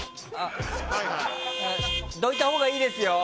どいたほうがいいですよ。